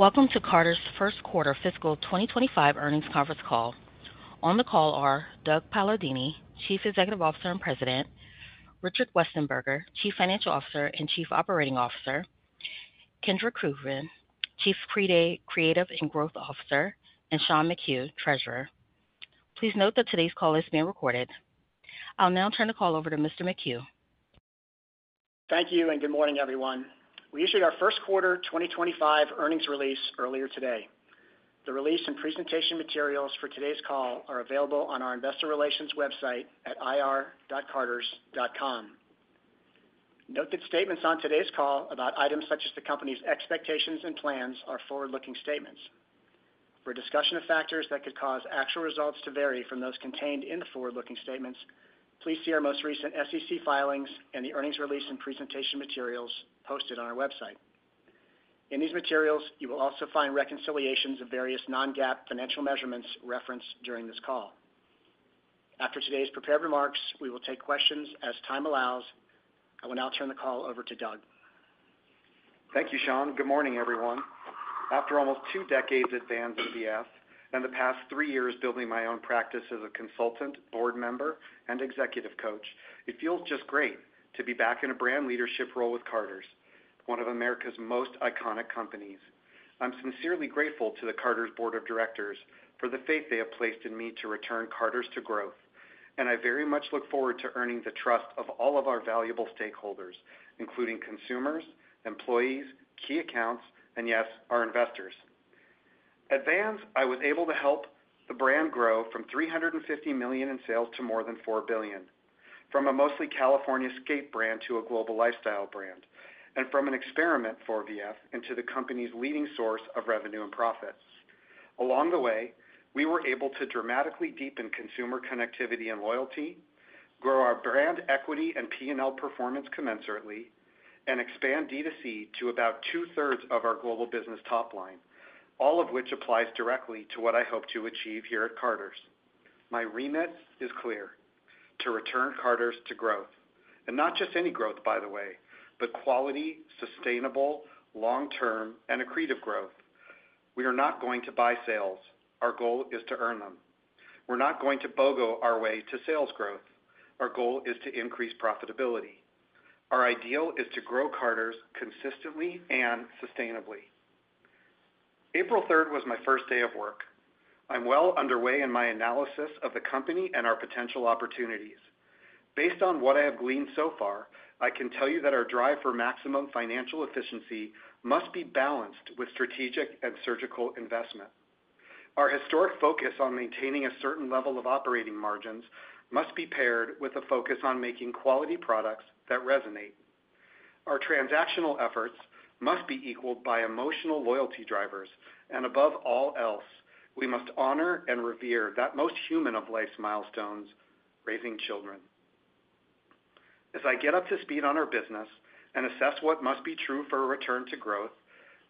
Welcome to Carter's first quarter fiscal 2025 earnings conference call. On the call are Doug Palladini, Chief Executive Officer and President, Richard Westenberger, Chief Financial Officer and Chief Operating Officer, Kendra Krugman, Chief Creative and Growth Officer, and Sean McHugh, Treasurer. Please note that today's call is being recorded. I'll now turn the call over to Mr. McHugh. Thank you and good morning, everyone. We issued our first quarter 2025 earnings release earlier today. The release and presentation materials for today's call are available on our investor relations website at ir.carters.com. Note that statements on today's call about items such as the company's expectations and plans are forward-looking statements. For discussion of factors that could cause actual results to vary from those contained in the forward-looking statements, please see our most recent SEC filings and the earnings release and presentation materials posted on our website. In these materials, you will also find reconciliations of various non-GAAP financial measurements referenced during this call. After today's prepared remarks, we will take questions as time allows. I will now turn the call over to Doug. Thank you, Sean. Good morning, everyone. After almost two decades at Vans and VF, and the past three years building my own practice as a consultant, board member, and executive coach, it feels just great to be back in a brand leadership role with Carter's, one of America's most iconic companies. I'm sincerely grateful to the Carter's Board of Directors for the faith they have placed in me to return Carter's to growth, and I very much look forward to earning the trust of all of our valuable stakeholders, including consumers, employees, key accounts, and yes, our investors. At Vans, I was able to help the brand grow from $350 million in sales to more than $4 billion, from a mostly California skate brand to a global lifestyle brand, and from an experiment for VF into the company's leading source of revenue and profits. Along the way, we were able to dramatically deepen consumer connectivity and loyalty, grow our brand equity and P&L performance commensurately, and expand DTC to about two-thirds of our global business top line, all of which applies directly to what I hope to achieve here at Carter's. My remit is clear: to return Carter's to growth. Not just any growth, by the way, but quality, sustainable, long-term, and accretive growth. We are not going to buy sales. Our goal is to earn them. We're not going to BOGO our way to sales growth. Our goal is to increase profitability. Our ideal is to grow Carter's consistently and sustainably. April 3rd was my first day of work. I'm well underway in my analysis of the company and our potential opportunities. Based on what I have gleaned so far, I can tell you that our drive for maximum financial efficiency must be balanced with strategic and surgical investment. Our historic focus on maintaining a certain level of operating margins must be paired with a focus on making quality products that resonate. Our transactional efforts must be equaled by emotional loyalty drivers, and above all else, we must honor and revere that most human of life's milestones: raising children. As I get up to speed on our business and assess what must be true for a return to growth,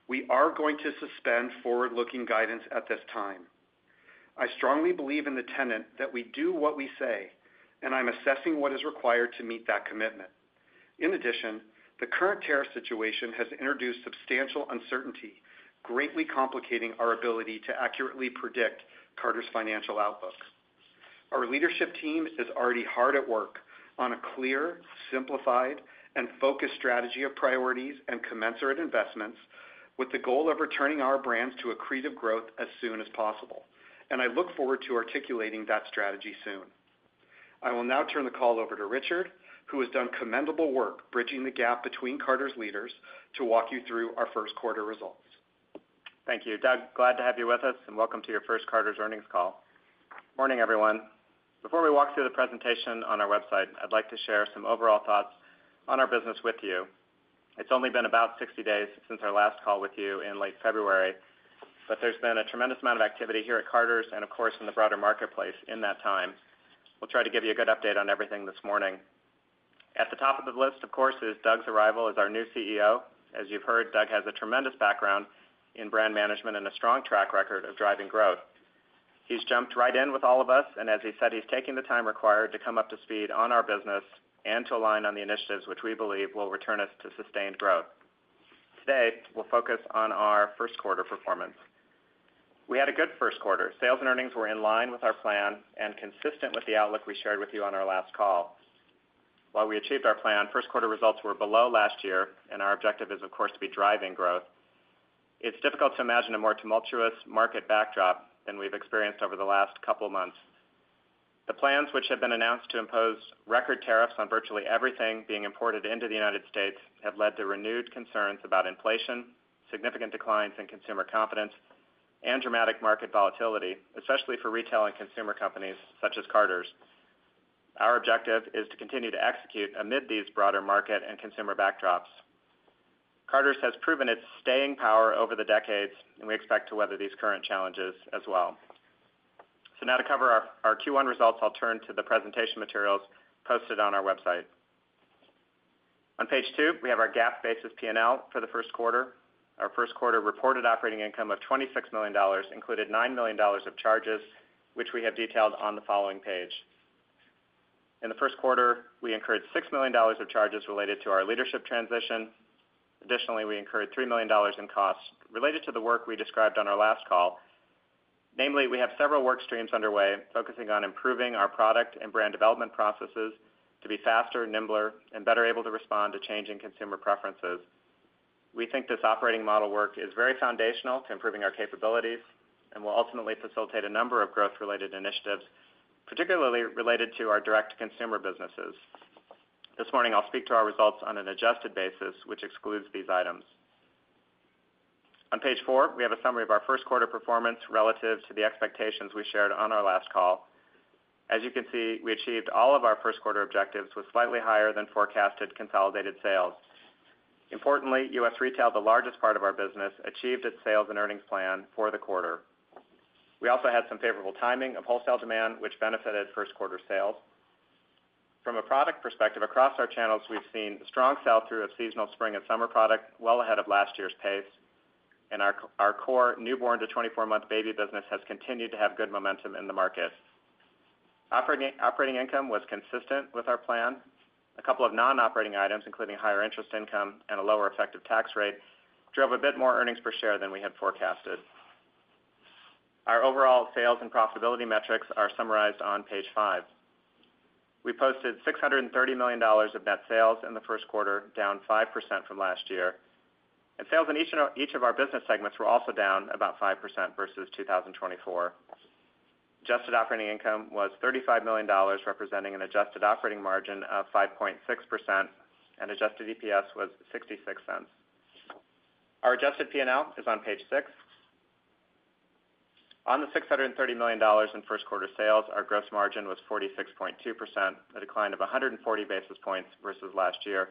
we are going to suspend forward-looking guidance at this time. I strongly believe in the tenet that we do what we say, and I'm assessing what is required to meet that commitment. In addition, the current tariff situation has introduced substantial uncertainty, greatly complicating our ability to accurately predict Carter's financial outlook. Our leadership team is already hard at work on a clear, simplified, and focused strategy of priorities and commensurate investments, with the goal of returning our brands to accretive growth as soon as possible, and I look forward to articulating that strategy soon. I will now turn the call over to Richard, who has done commendable work bridging the gap between Carter's leaders to walk you through our first quarter results. Thank you. Doug, glad to have you with us, and welcome to your first Carter's earnings call. Morning, everyone. Before we walk through the presentation on our website, I'd like to share some overall thoughts on our business with you. It's only been about 60 days since our last call with you in late February, but there's been a tremendous amount of activity here at Carter's and, of course, in the broader marketplace in that time. We'll try to give you a good update on everything this morning. At the top of the list, of course, is Doug's arrival as our new CEO. As you've heard, Doug has a tremendous background in brand management and a strong track record of driving growth. He's jumped right in with all of us, and as he said, he's taking the time required to come up to speed on our business and to align on the initiatives which we believe will return us to sustained growth. Today, we'll focus on our first quarter performance. We had a good first quarter. Sales and earnings were in line with our plan and consistent with the outlook we shared with you on our last call. While we achieved our plan, first quarter results were below last year, and our objective is, of course, to be driving growth. It's difficult to imagine a more tumultuous market backdrop than we've experienced over the last couple of months. The plans, which have been announced to impose record tariffs on virtually everything being imported into the United States, have led to renewed concerns about inflation, significant declines in consumer confidence, and dramatic market volatility, especially for retail and consumer companies such as Carter's. Our objective is to continue to execute amid these broader market and consumer backdrops. Carter's has proven its staying power over the decades, and we expect to weather these current challenges as well. To cover our Q1 results, I'll turn to the presentation materials posted on our website. On page two, we have our GAAP basis P&L for the first quarter. Our first quarter reported operating income of $26 million included $9 million of charges, which we have detailed on the following page. In the first quarter, we incurred $6 million of charges related to our leadership transition. Additionally, we incurred $3 million in costs related to the work we described on our last call. Namely, we have several work streams underway focusing on improving our product and brand development processes to be faster, nimbler, and better able to respond to changing consumer preferences. We think this operating model work is very foundational to improving our capabilities and will ultimately facilitate a number of growth-related initiatives, particularly related to our direct-to-consumer businesses. This morning, I'll speak to our results on an adjusted basis, which excludes these items. On page four, we have a summary of our first quarter performance relative to the expectations we shared on our last call. As you can see, we achieved all of our first quarter objectives with slightly higher than forecasted consolidated sales. Importantly, U.S. retail, the largest part of our business, achieved its sales and earnings plan for the quarter. We also had some favorable timing of wholesale demand, which benefited first quarter sales. From a product perspective, across our channels, we've seen strong sell-through of seasonal spring and summer product well ahead of last year's pace, and our core newborn to 24-month baby business has continued to have good momentum in the market. Operating income was consistent with our plan. A couple of non-operating items, including higher interest income and a lower effective tax rate, drove a bit more earnings per share than we had forecasted. Our overall sales and profitability metrics are summarized on page five. We posted $630 million of net sales in the first quarter, down 5% from last year. Sales in each of our business segments were also down about 5% versus 2024. Adjusted operating income was $35 million, representing an adjusted operating margin of 5.6%, and adjusted EPS was $0.66. Our adjusted P&L is on page six. On the $630 million in first quarter sales, our gross margin was 46.2%, a decline of 140 basis points versus last year.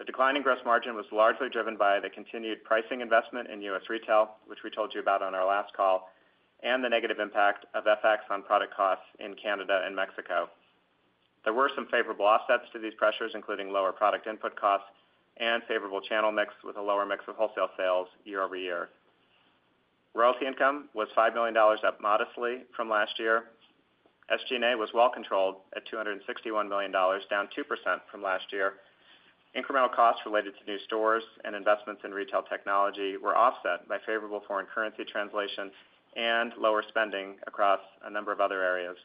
The declining gross margin was largely driven by the continued pricing investment in U.S. retail, which we told you about on our last call, and the negative impact of FX on product costs in Canada and Mexico. There were some favorable offsets to these pressures, including lower product input costs and favorable channel mix with a lower mix of wholesale sales year over year. Royalty income was $5 million, up modestly from last year. SG&A was well controlled at $261 million, down 2% from last year. Incremental costs related to new stores and investments in retail technology were offset by favorable foreign currency translation and lower spending across a number of other areas.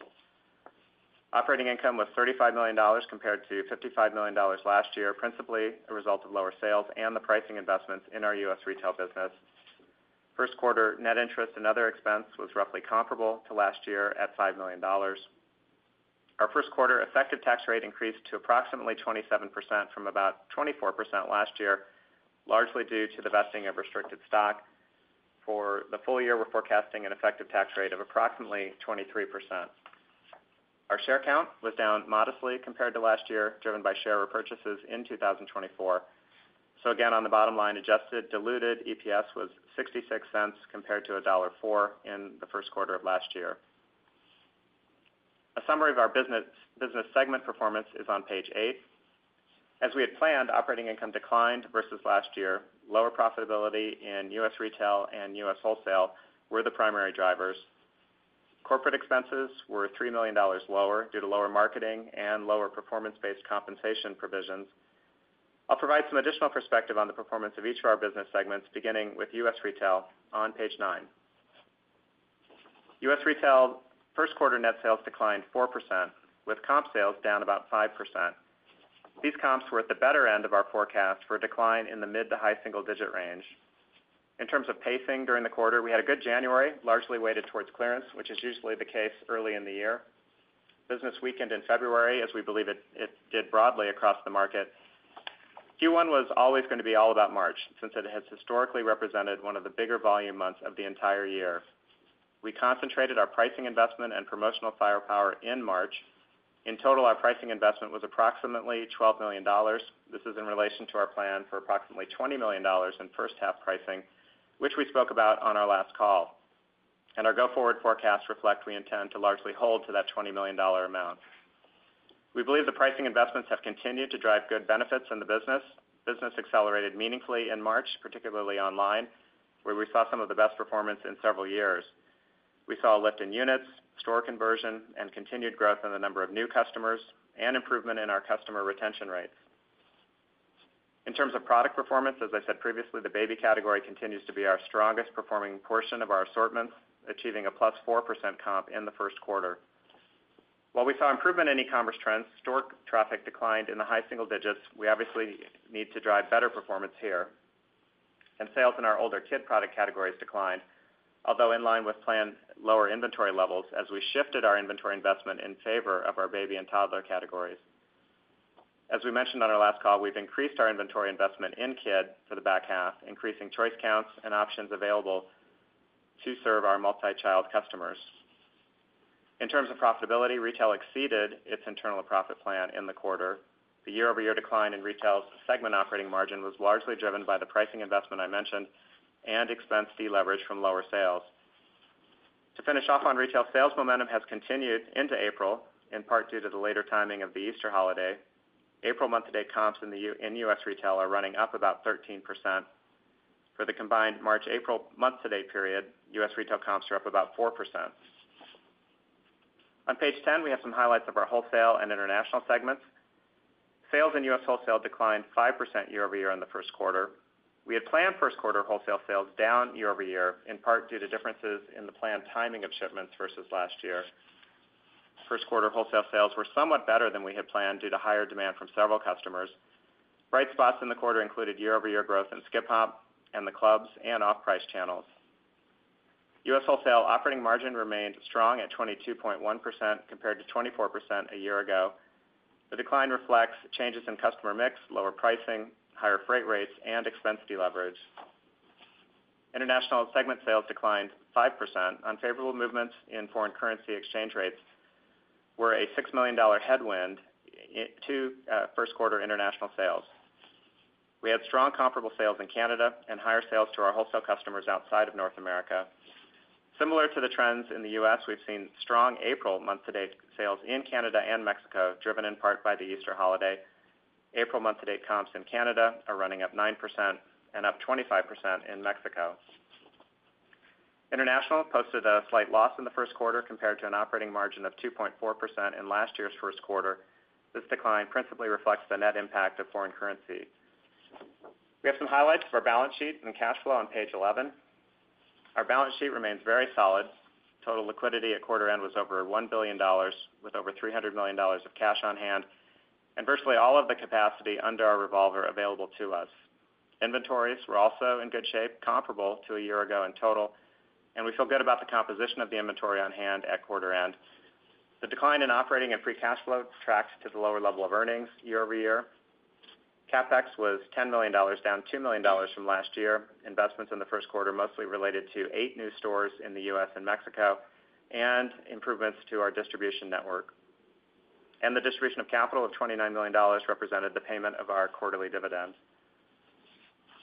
Operating income was $35 million compared to $55 million last year, principally a result of lower sales and the pricing investments in our U.S. retail business. First quarter net interest and other expense was roughly comparable to last year at $5 million. Our first quarter effective tax rate increased to approximately 27% from about 24% last year, largely due to the vesting of restricted stock. For the full year, we're forecasting an effective tax rate of approximately 23%. Our share count was down modestly compared to last year, driven by share repurchases in 2024. Again, on the bottom line, adjusted diluted EPS was $0.66 compared to $1.04 in the first quarter of last year. A summary of our business segment performance is on page eight. As we had planned, operating income declined versus last year. Lower profitability in U.S. retail and U.S. wholesale were the primary drivers. Corporate expenses were $3 million lower due to lower marketing and lower performance-based compensation provisions. I'll provide some additional perspective on the performance of each of our business segments, beginning with U.S. retail on page nine. U.S. retail first quarter net sales declined 4%, with comp sales down about 5%. These comps were at the better end of our forecast for a decline in the mid to high single-digit range. In terms of pacing during the quarter, we had a good January, largely weighted towards clearance, which is usually the case early in the year. Business weakened in February, as we believe it did broadly across the market. Q1 was always going to be all about March, since it has historically represented one of the bigger volume months of the entire year. We concentrated our pricing investment and promotional firepower in March. In total, our pricing investment was approximately $12 million. This is in relation to our plan for approximately $20 million in first-half pricing, which we spoke about on our last call. Our go-forward forecasts reflect we intend to largely hold to that $20 million amount. We believe the pricing investments have continued to drive good benefits in the business. Business accelerated meaningfully in March, particularly online, where we saw some of the best performance in several years. We saw a lift in units, store conversion, and continued growth in the number of new customers and improvement in our customer retention rates. In terms of product performance, as I said previously, the baby category continues to be our strongest performing portion of our assortments, achieving a plus 4% comp in the first quarter. While we saw improvement in e-commerce trends, store traffic declined in the high single digits. We obviously need to drive better performance here. Sales in our older kid product categories declined, although in line with planned lower inventory levels as we shifted our inventory investment in favor of our baby and toddler categories. As we mentioned on our last call, we've increased our inventory investment in kid for the back half, increasing choice counts and options available to serve our multi-child customers. In terms of profitability, retail exceeded its internal profit plan in the quarter. The year-over-year decline in retail's segment operating margin was largely driven by the pricing investment I mentioned and expense deleveraged from lower sales. To finish off on retail, sales momentum has continued into April, in part due to the later timing of the Easter holiday. April month-to-date comps in U.S. retail are running up about 13%. For the combined March-April month-to-date period, U.S. retail comps are up about 4%. On page 10, we have some highlights of our wholesale and international segments. Sales in U.S. wholesale declined 5% year-over-year in the first quarter. We had planned first-quarter wholesale sales down year-over-year, in part due to differences in the planned timing of shipments versus last year. First-quarter wholesale sales were somewhat better than we had planned due to higher demand from several customers. Bright spots in the quarter included year-over-year growth in Skip Hop and the clubs and off-price channels. U.S. wholesale operating margin remained strong at 22.1% compared to 24% a year ago. The decline reflects changes in customer mix, lower pricing, higher freight rates, and expense deleverage. International segment sales declined 5%. Unfavorable movements in foreign currency exchange rates were a $6 million headwind to first-quarter international sales. We had strong comparable sales in Canada and higher sales to our wholesale customers outside of North America. Similar to the trends in the U.S., we've seen strong April month-to-date sales in Canada and Mexico, driven in part by the Easter holiday. April month-to-date comps in Canada are running up 9% and up 25% in Mexico. International posted a slight loss in the first quarter compared to an operating margin of 2.4% in last year's first quarter. This decline principally reflects the net impact of foreign currency. We have some highlights of our balance sheet and cash flow on page 11. Our balance sheet remains very solid. Total liquidity at quarter end was over $1 billion, with over $300 million of cash on hand and virtually all of the capacity under our revolver available to us. Inventories were also in good shape, comparable to a year ago in total, and we feel good about the composition of the inventory on hand at quarter end. The decline in operating and free cash flow tracks to the lower level of earnings year-over-year. CapEx was $10 million, down $2 million from last year. Investments in the first quarter mostly related to eight new stores in the U.S. and Mexico and improvements to our distribution network. The distribution of capital of $29 million represented the payment of our quarterly dividends.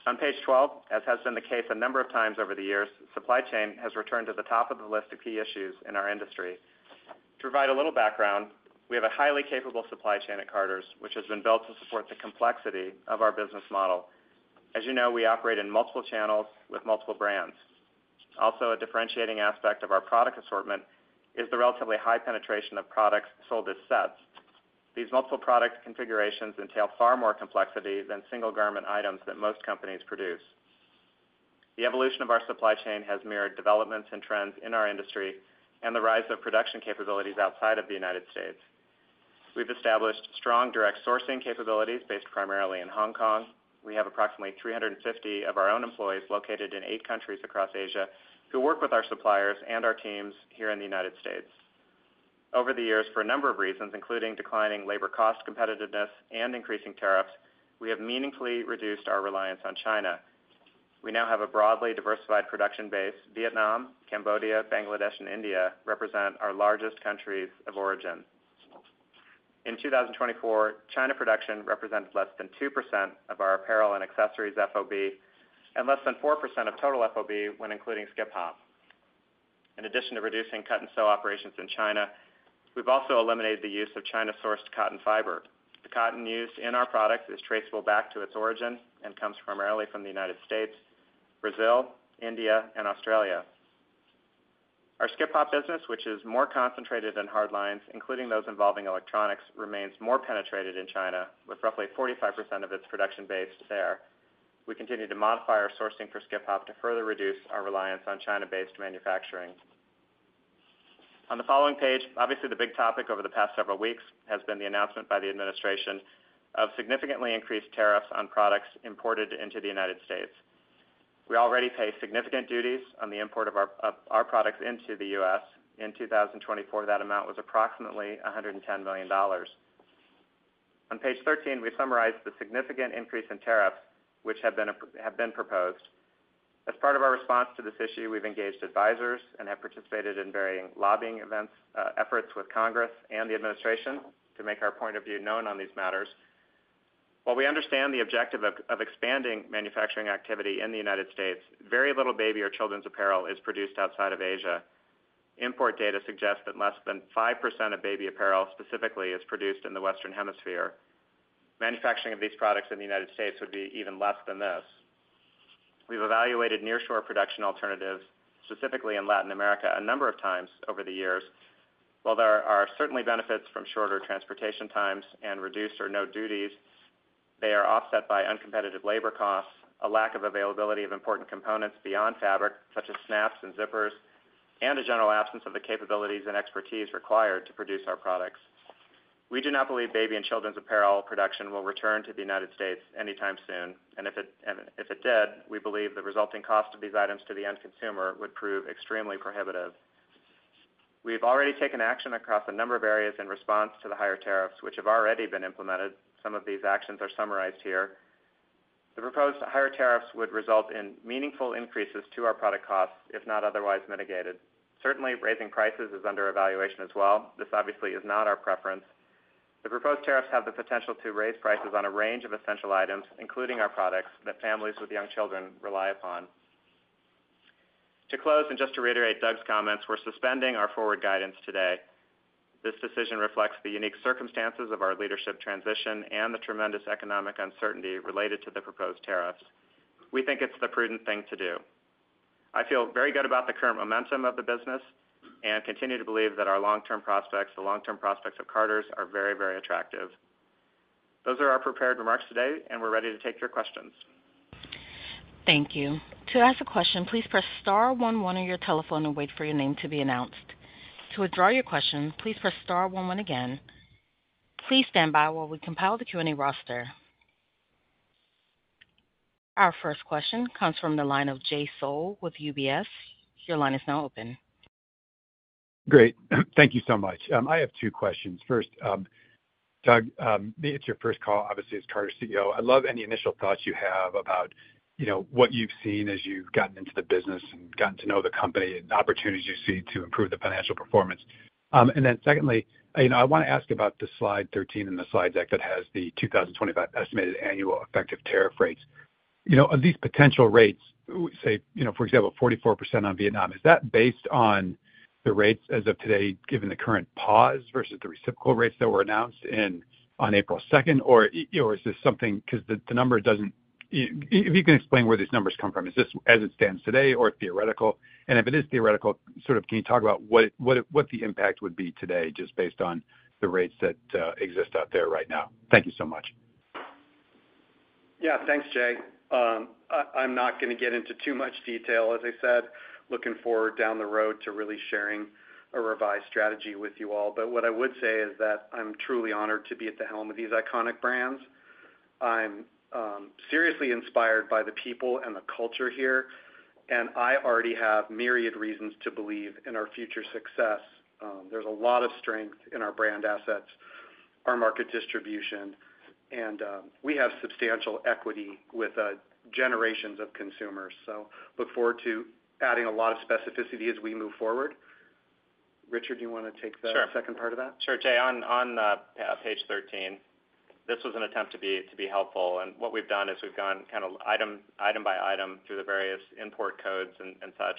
On page 12, as has been the case a number of times over the years, supply chain has returned to the top of the list of key issues in our industry. To provide a little background, we have a highly capable supply chain at Carter's, which has been built to support the complexity of our business model. As you know, we operate in multiple channels with multiple brands. Also, a differentiating aspect of our product assortment is the relatively high penetration of products sold as sets. These multiple product configurations entail far more complexity than single garment items that most companies produce. The evolution of our supply chain has mirrored developments and trends in our industry and the rise of production capabilities outside of the U.S. We have established strong direct sourcing capabilities based primarily in Hong Kong. We have approximately 350 of our own employees located in eight countries across Asia who work with our suppliers and our teams here in the U.S. Over the years, for a number of reasons, including declining labor cost competitiveness and increasing tariffs, we have meaningfully reduced our reliance on China. We now have a broadly diversified production base. Vietnam, Cambodia, Bangladesh, and India represent our largest countries of origin. In 2024, China production represented less than 2% of our apparel and accessories FOB and less than 4% of total FOB when including Skip Hop. In addition to reducing cut-and-sew operations in China, we've also eliminated the use of China-sourced cotton fiber. The cotton used in our products is traceable back to its origin and comes primarily from the United States, Brazil, India, and Australia. Our Skip Hop business, which is more concentrated in hard lines, including those involving electronics, remains more penetrated in China, with roughly 45% of its production based there. We continue to modify our sourcing for Skip Hop to further reduce our reliance on China-based manufacturing. On the following page, obviously the big topic over the past several weeks has been the announcement by the administration of significantly increased tariffs on products imported into the United States. We already pay significant duties on the import of our products into the U.S. In 2024, that amount was approximately $110 million. On page 13, we summarize the significant increase in tariffs, which have been proposed. As part of our response to this issue, we've engaged advisors and have participated in varying lobbying efforts with Congress and the administration to make our point of view known on these matters. While we understand the objective of expanding manufacturing activity in the United States, very little baby or children's apparel is produced outside of Asia. Import data suggest that less than 5% of baby apparel specifically is produced in the Western Hemisphere. Manufacturing of these products in the United States would be even less than this. We've evaluated nearshore production alternatives, specifically in Latin America, a number of times over the years. While there are certainly benefits from shorter transportation times and reduced or no duties, they are offset by uncompetitive labor costs, a lack of availability of important components beyond fabric, such as snaps and zippers, and a general absence of the capabilities and expertise required to produce our products. We do not believe baby and children's apparel production will return to the United States anytime soon. If it did, we believe the resulting cost of these items to the end consumer would prove extremely prohibitive. We have already taken action across a number of areas in response to the higher tariffs, which have already been implemented. Some of these actions are summarized here. The proposed higher tariffs would result in meaningful increases to our product costs, if not otherwise mitigated. Certainly, raising prices is under evaluation as well. This obviously is not our preference. The proposed tariffs have the potential to raise prices on a range of essential items, including our products, that families with young children rely upon. To close and just to reiterate Doug's comments, we're suspending our forward guidance today. This decision reflects the unique circumstances of our leadership transition and the tremendous economic uncertainty related to the proposed tariffs. We think it's the prudent thing to do. I feel very good about the current momentum of the business and continue to believe that our long-term prospects, the long-term prospects of Carter's, are very, very attractive. Those are our prepared remarks today, and we're ready to take your questions. Thank you. To ask a question, please press star 11 on your telephone and wait for your name to be announced. To withdraw your question, please press star 11 again. Please stand by while we compile the Q&A roster. Our first question comes from the line of Jay Sole with UBS. Your line is now open. Great. Thank you so much. I have two questions. First, Doug, it's your first call, obviously, as Carter's CEO. I love any initial thoughts you have about what you've seen as you've gotten into the business and gotten to know the company and opportunities you see to improve the financial performance. Secondly, I want to ask about the slide 13 in the slide deck that has the 2025 estimated annual effective tariff rates. Of these potential rates, say, for example, 44% on Vietnam, is that based on the rates as of today, given the current pause versus the reciprocal rates that were announced on April 2, or is this something because the number doesn't, if you can explain where these numbers come from, is this as it stands today or theoretical? If it is theoretical, sort of can you talk about what the impact would be today, just based on the rates that exist out there right now? Thank you so much. Yeah, thanks, Jay. I'm not going to get into too much detail, as I said, looking forward down the road to really sharing a revised strategy with you all. What I would say is that I'm truly honored to be at the helm of these iconic brands. I'm seriously inspired by the people and the culture here, and I already have myriad reasons to believe in our future success. There is a lot of strength in our brand assets, our market distribution, and we have substantial equity with generations of consumers. I look forward to adding a lot of specificity as we move forward. Richard, do you want to take the second part of that? Sure, Jay. On page 13, this was an attempt to be helpful. What we've done is we've gone kind of item by item through the various import codes and such,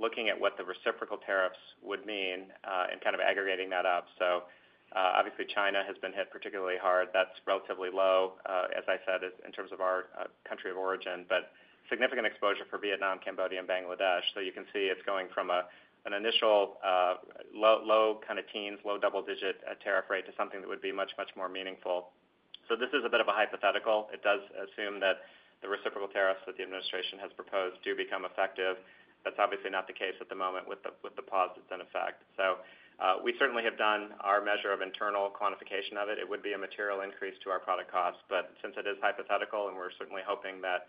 looking at what the reciprocal tariffs would mean and kind of aggregating that up. China has been hit particularly hard. That's relatively low, as I said, in terms of our country of origin, but significant exposure for Vietnam, Cambodia, and Bangladesh. You can see it's going from an initial low kind of teens, low double-digit tariff rate to something that would be much, much more meaningful. This is a bit of a hypothetical. It does assume that the reciprocal tariffs that the administration has proposed do become effective. That's obviously not the case at the moment with the pause that's in effect. We certainly have done our measure of internal quantification of it. It would be a material increase to our product costs. Since it is hypothetical and we're certainly hoping that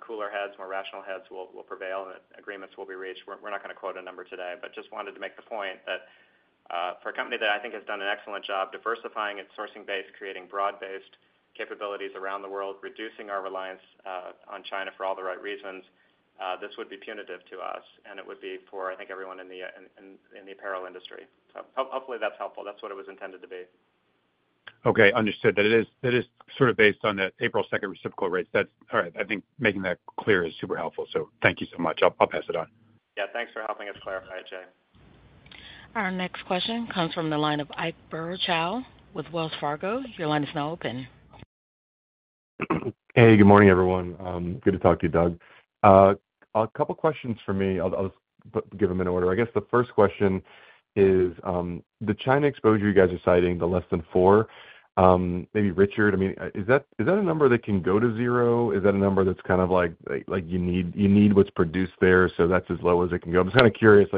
cooler heads, more rational heads will prevail and agreements will be reached, we're not going to quote a number today, but just wanted to make the point that for a company that I think has done an excellent job diversifying its sourcing base, creating broad-based capabilities around the world, reducing our reliance on China for all the right reasons, this would be punitive to us. It would be for, I think, everyone in the apparel industry. Hopefully that's helpful. That's what it was intended to be. Okay, understood. That is sort of based on the April 2 reciprocal rates. All right. I think making that clear is super helpful. Thank you so much. I'll pass it on. Yeah, thanks for helping us clarify it, Jay. Our next question comes from the line of Ike Boruchow with Wells Fargo. Your line is now open. Hey, good morning, everyone. Good to talk to you, Doug. A couple of questions for me. I'll just give them in order. I guess the first question is the China exposure you guys are citing, the less than four, maybe Richard, I mean, is that a number that can go to zero? Is that a number that's kind of like you need what's produced there, so that's as low as it can go? I'm just kind of curious,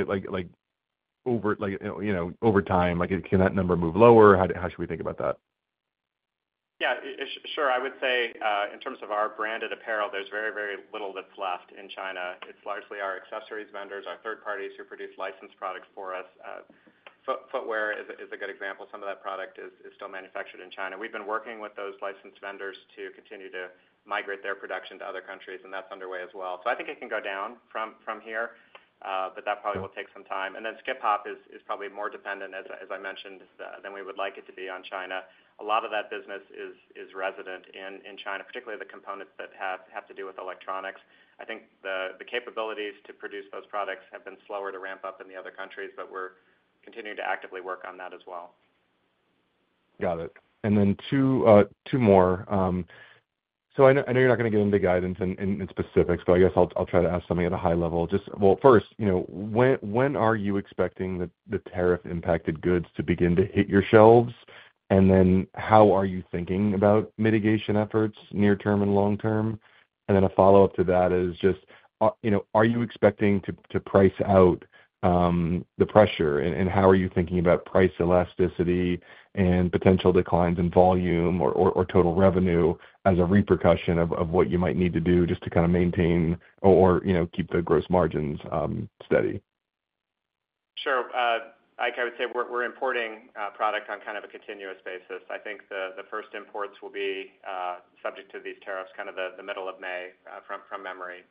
over time, can that number move lower? How should we think about that? Yeah, sure. I would say in terms of our branded apparel, there's very, very little that's left in China. It's largely our accessories vendors, our third parties who produce licensed products for us. Footwear is a good example. Some of that product is still manufactured in China. We've been working with those licensed vendors to continue to migrate their production to other countries, and that's underway as well. I think it can go down from here, but that probably will take some time. Skip Hop is probably more dependent, as I mentioned, than we would like it to be on China. A lot of that business is resident in China, particularly the components that have to do with electronics. I think the capabilities to produce those products have been slower to ramp up in the other countries, but we're continuing to actively work on that as well. Got it. Two more. I know you're not going to give me the guidance in specifics, but I guess I'll try to ask something at a high level. First, when are you expecting the tariff-impacted goods to begin to hit your shelves? How are you thinking about mitigation efforts near-term and long-term? A follow-up to that is just, are you expecting to price out the pressure? How are you thinking about price elasticity and potential declines in volume or total revenue as a repercussion of what you might need to do just to kind of maintain or keep the gross margins steady? Sure. I would say we're importing product on kind of a continuous basis. I think the first imports will be subject to these tariffs kind of the middle of May, from memory.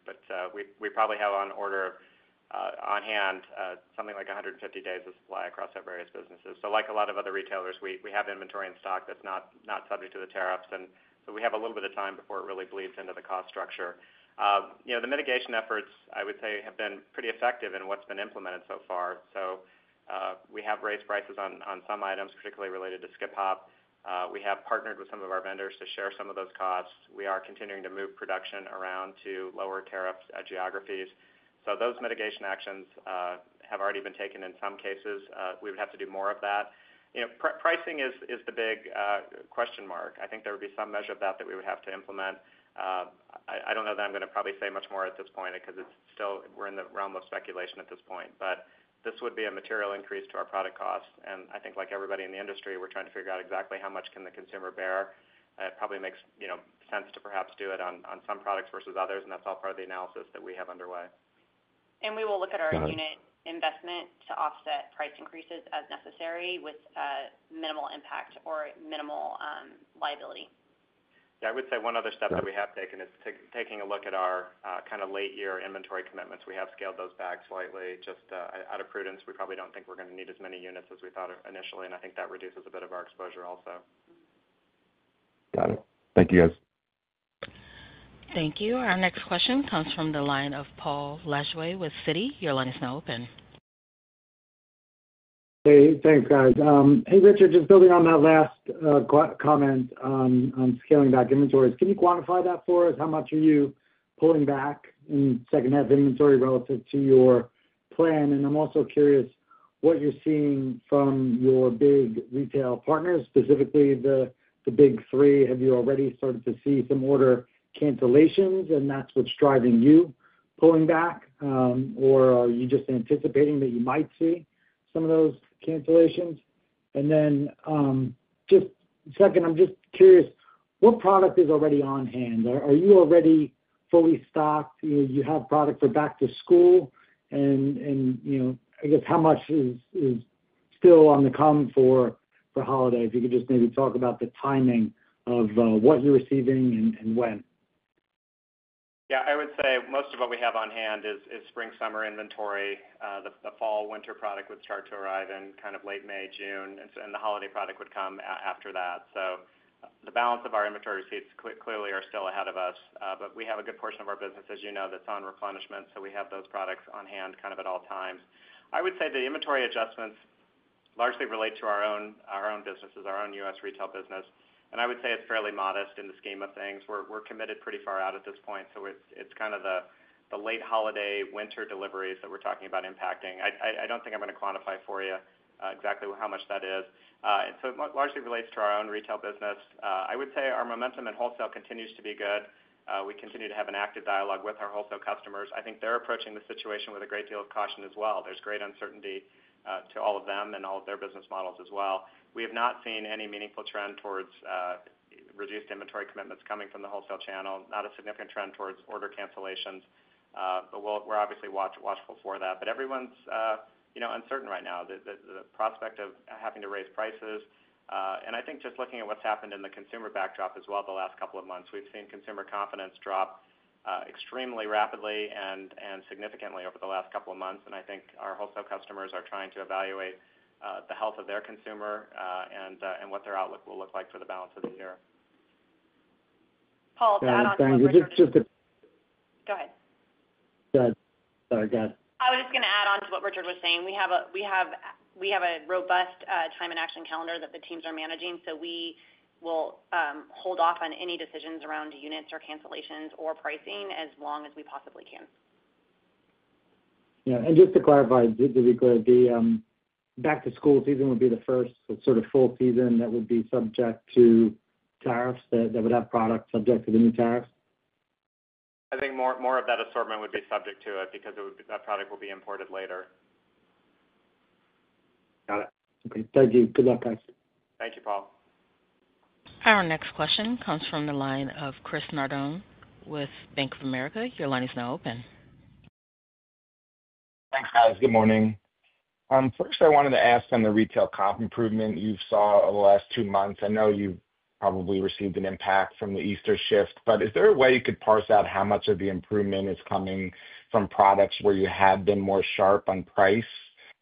We probably have on order on hand something like 150 days of supply across our various businesses. Like a lot of other retailers, we have inventory in stock that's not subject to the tariffs. We have a little bit of time before it really bleeds into the cost structure. The mitigation efforts, I would say, have been pretty effective in what's been implemented so far. We have raised prices on some items, particularly related to Skip Hop. We have partnered with some of our vendors to share some of those costs. We are continuing to move production around to lower tariff geographies. Those mitigation actions have already been taken in some cases. We would have to do more of that. Pricing is the big question mark. I think there would be some measure of that that we would have to implement. I do not know that I am going to probably say much more at this point because we are in the realm of speculation at this point. This would be a material increase to our product costs. I think, like everybody in the industry, we're trying to figure out exactly how much can the consumer bear. It probably makes sense to perhaps do it on some products versus others. That's all part of the analysis that we have underway. We will look at our unit investment to offset price increases as necessary with minimal impact or minimal liability. I would say one other step that we have taken is taking a look at our kind of late-year inventory commitments. We have scaled those back slightly just out of prudence. We probably don't think we're going to need as many units as we thought initially. I think that reduces a bit of our exposure also. Got it. Thank you, guys. Thank you. Our next question comes from the line of Paul Lejuez with Citi. Your line is now open. Hey, thanks, guys. Hey, Richard, just building on that last comment on scaling back inventories, can you quantify that for us? How much are you pulling back in second-half inventory relative to your plan? I'm also curious what you're seeing from your big retail partners, specifically the big three. Have you already started to see some order cancellations? That's what's driving you pulling back? Or are you just anticipating that you might see some of those cancellations? Just second, I'm just curious, what product is already on hand? Are you already fully stocked? You have product for back to school. I guess how much is still on the come for holiday? If you could just maybe talk about the timing of what you're receiving and when. Yeah, I would say most of what we have on hand is spring-summer inventory. The fall-winter product would start to arrive in kind of late May, June. The holiday product would come after that. The balance of our inventory receipts clearly are still ahead of us. We have a good portion of our business, as you know, that's on replenishment. We have those products on hand kind of at all times. I would say the inventory adjustments largely relate to our own businesses, our own U.S. retail business. I would say it's fairly modest in the scheme of things. We're committed pretty far out at this point. It's kind of the late holiday winter deliveries that we're talking about impacting. I don't think I'm going to quantify for you exactly how much that is. It largely relates to our own retail business. I would say our momentum in wholesale continues to be good. We continue to have an active dialogue with our wholesale customers. I think they're approaching the situation with a great deal of caution as well. There's great uncertainty to all of them and all of their business models as well. We have not seen any meaningful trend towards reduced inventory commitments coming from the wholesale channel. Not a significant trend towards order cancellations. We're obviously watchful for that. Everyone's uncertain right now. The prospect of having to raise prices. I think just looking at what's happened in the consumer backdrop as well the last couple of months, we've seen consumer confidence drop extremely rapidly and significantly over the last couple of months. I think our wholesale customers are trying to evaluate the health of their consumer and what their outlook will look like for the balance of the year. Paul, to add on to that. Go ahead. Sorry, go ahead. I was just going to add on to what Richard was saying. We have a robust time and action calendar that the teams are managing. We will hold off on any decisions around units or cancellations or pricing as long as we possibly can. Yeah. Just to clarify, did we go to the back to school season, would that be the first sort of full season that would be subject to tariffs, that would have product subject to the new tariffs? I think more of that assortment would be subject to it because that product will be imported later. Got it. Okay. Thank you. Good luck, guys. Thank you, Paul. Our next question comes from the line of Chris Nardone with Bank of America. Your line is now open. Thanks, guys. Good morning. First, I wanted to ask on the retail comp improvement you saw over the last two months. I know you've probably received an impact from the Easter shift. Is there a way you could parse out how much of the improvement is coming from products where you have been more sharp on price?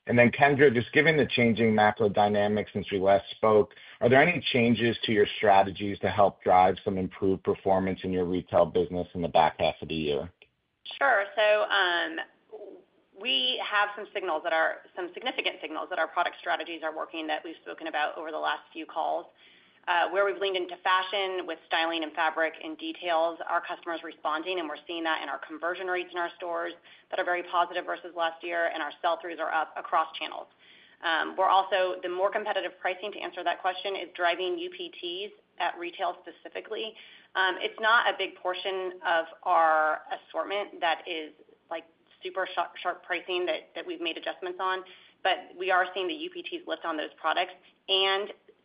Kendra, just given the changing macro dynamics since we last spoke, are there any changes to your strategies to help drive some improved performance in your retail business in the back half of the year? Sure. We have some significant signals that our product strategies are working that we've spoken about over the last few calls, where we've leaned into fashion with styling and fabric and details. Our customers are responding, and we're seeing that in our conversion rates in our stores that are very positive versus last year, and our sell-throughs are up across channels. The more competitive pricing, to answer that question, is driving UPTs at retail specifically. It's not a big portion of our assortment that is super sharp pricing that we've made adjustments on. We are seeing the UPTs lift on those products.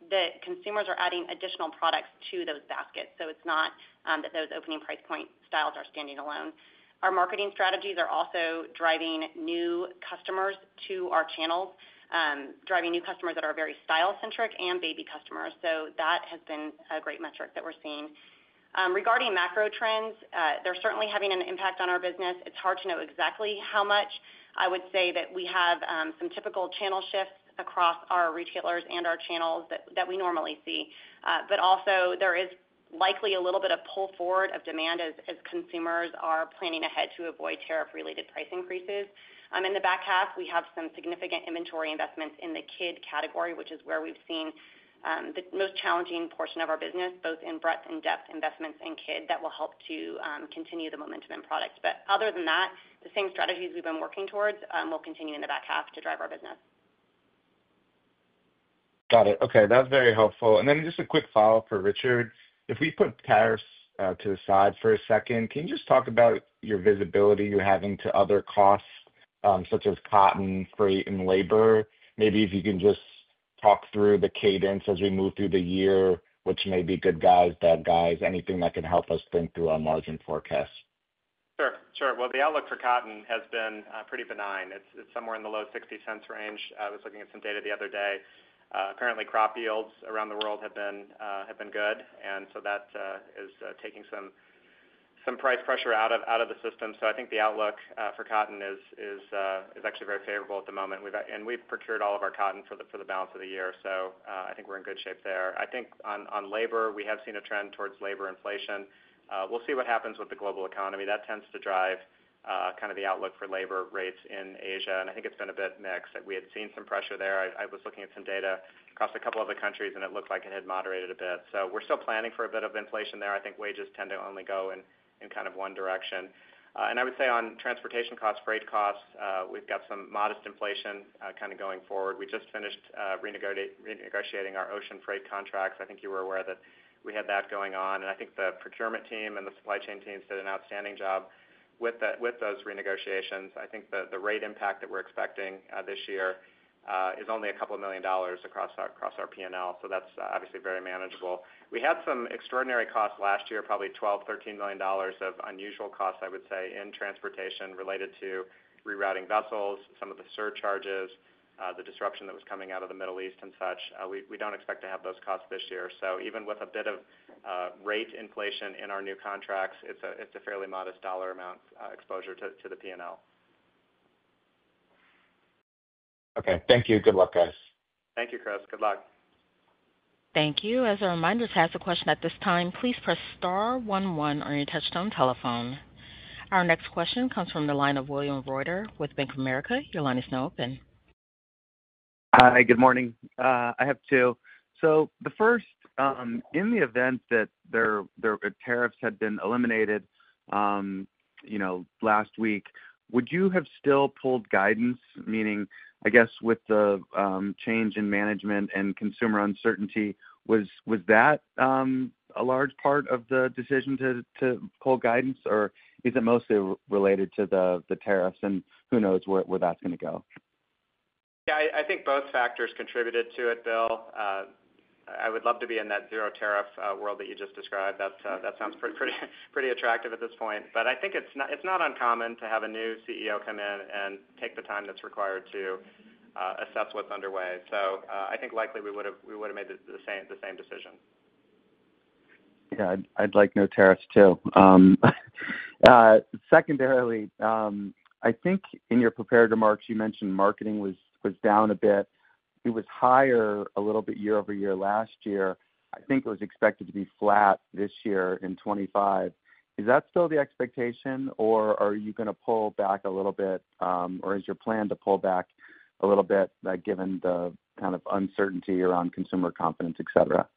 The consumers are adding additional products to those baskets. It's not that those opening price point styles are standing alone. Our marketing strategies are also driving new customers to our channels, driving new customers that are very style-centric and baby customers. That has been a great metric that we're seeing. Regarding macro trends, they're certainly having an impact on our business. It's hard to know exactly how much. I would say that we have some typical channel shifts across our retailers and our channels that we normally see. Also, there is likely a little bit of pull forward of demand as consumers are planning ahead to avoid tariff-related price increases. In the back half, we have some significant inventory investments in the kid category, which is where we've seen the most challenging portion of our business, both in breadth and depth investments in kid that will help to continue the momentum in products. Other than that, the same strategies we've been working towards will continue in the back half to drive our business. Got it. Okay. That's very helpful. Then just a quick follow-up for Richard. If we put tariffs to the side for a second, can you just talk about your visibility you're having to other costs such as cotton, freight, and labor? Maybe if you can just talk through the cadence as we move through the year, which may be good guys, bad guys, anything that can help us think through our margin forecast. Sure. Sure. The outlook for cotton has been pretty benign. It's somewhere in the low 60 cents range. I was looking at some data the other day. Apparently, crop yields around the world have been good. That is taking some price pressure out of the system. I think the outlook for cotton is actually very favorable at the moment. We've procured all of our cotton for the balance of the year. I think we're in good shape there. I think on labor, we have seen a trend towards labor inflation. We'll see what happens with the global economy. That tends to drive kind of the outlook for labor rates in Asia. I think it's been a bit mixed. We had seen some pressure there. I was looking at some data across a couple of the countries, and it looked like it had moderated a bit. We're still planning for a bit of inflation there. I think wages tend to only go in kind of one direction. I would say on transportation costs, freight costs, we've got some modest inflation kind of going forward. We just finished renegotiating our ocean freight contracts. I think you were aware that we had that going on. I think the procurement team and the supply chain teams did an outstanding job with those renegotiations. I think the rate impact that we're expecting this year is only a couple of million dollars across our P&L. That's obviously very manageable. We had some extraordinary costs last year, probably $12 million, $13 million of unusual costs, I would say, in transportation related to rerouting vessels, some of the surcharges, the disruption that was coming out of the Middle East and such. We do not expect to have those costs this year. Even with a bit of rate inflation in our new contracts, it is a fairly modest dollar amount exposure to the P&L. Okay. Thank you. Good luck, guys. Thank you, Chris. Good luck. Thank you. As a reminder, to ask a question at this time, please press star 11 on your touch-tone telephone. Our next question comes from the line of William Reuter with Bank of America. Your line is now open. Hi. Good morning. I have two. The first, in the event that the tariffs had been eliminated last week, would you have still pulled guidance? Meaning, I guess, with the change in management and consumer uncertainty, was that a large part of the decision to pull guidance? Or is it mostly related to the tariffs? Who knows where that's going to go? Yeah, I think both factors contributed to it, Bill. I would love to be in that zero tariff world that you just described. That sounds pretty attractive at this point. I think it's not uncommon to have a new CEO come in and take the time that's required to assess what's underway. I think likely we would have made the same decision. Yeah, I'd like no tariffs too. Secondarily, I think in your prepared remarks, you mentioned marketing was down a bit. It was higher a little bit year over year last year. I think it was expected to be flat this year in 2025. Is that still the expectation? Are you going to pull back a little bit? Is your plan to pull back a little bit given the kind of uncertainty around consumer confidence, etc.?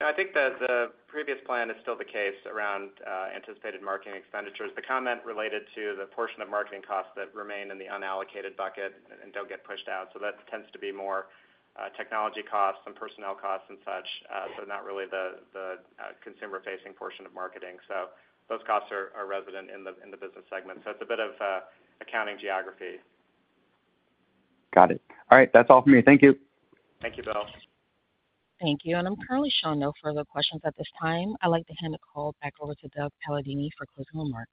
I think that the previous plan is still the case around anticipated marketing expenditures. The comment related to the portion of marketing costs that remain in the unallocated bucket and do not get pushed out. That tends to be more technology costs and personnel costs and such. Not really the consumer-facing portion of marketing. Those costs are resident in the business segment. It is a bit of accounting geography. Got it. All right. That is all for me. Thank you. Thank you, Bill. Thank you. I am currently showing no further questions at this time. I would like to hand the call back over to Doug Palladini for closing remarks.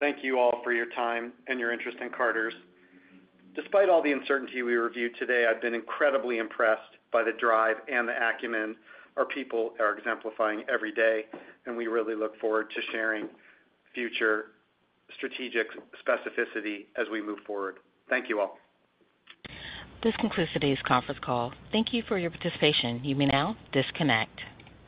Thank you all for your time and your interest in Carter's. Despite all the uncertainty we reviewed today, I've been incredibly impressed by the drive and the acumen our people are exemplifying every day. We really look forward to sharing future strategic specificity as we move forward. Thank you all. This concludes today's conference call. Thank you for your participation. You may now disconnect.